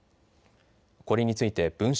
これについて文春